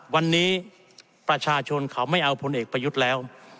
วันนี้ประชาชนเขาไม่เอาพลเอกประยุทธ์แล้ว